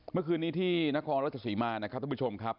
เมื่อคืนนี้ที่นครราชสีมานะครับท่านผู้ชมครับ